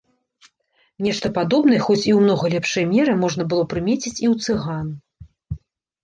Нешта падобнае, хоць і ў многа лепшай меры, можна было прымеціць і ў цыган.